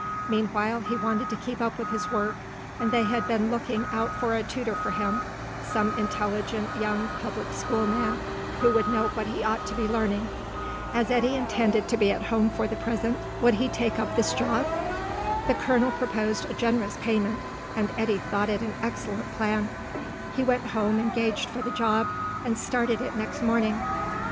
Meanwhile he wanted to keep up with his work, and they had been looking out for a tutor for him, some intelligent young public school man who would know what he ought to be learning. As Eddy intended to be at home for the present, would he take up this job? The Colonel proposed a generous payment, and Eddy thought it an excellent plan. He went home engaged for the job, and started it next morning.